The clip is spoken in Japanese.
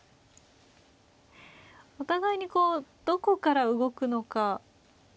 お互いにどこから動くのか。